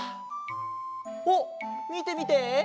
あっみてみて！